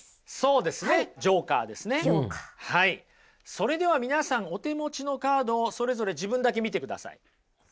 それでは皆さんお手持ちのカードをそれぞれ自分だけ見てください。